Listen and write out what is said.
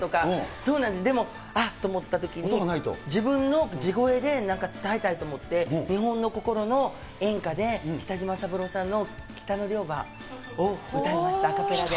そうなんです、でもあっと思ったときに、自分の地声でなんか伝えたいと思って、日本の心の演歌で、北島三郎さんの北の猟場を歌いました、アカペラで。